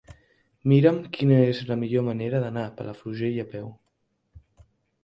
Mira'm quina és la millor manera d'anar a Palafrugell a peu.